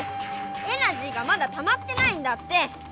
エナジーがまだたまってないんだって！